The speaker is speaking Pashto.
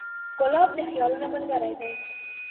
ګلاب د خیالونو ملګری دی.